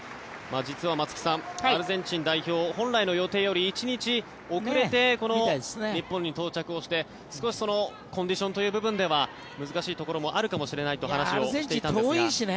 実は松木さん、アルゼンチン代表本来の予定より１日遅れて日本に到着して少しコンディションという部分では難しいところもあるかもしれないと話していたんですが。